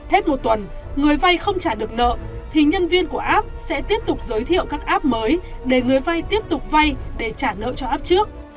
hết một tuần người vay không trả được nợ thì nhân viên của app sẽ tiếp tục giới thiệu các app mới để người vay tiếp tục vay để trả nợ cho app trước